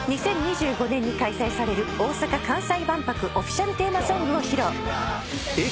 ２０２５年に開催される大阪・関西万博オフィシャルテーマソングを披露。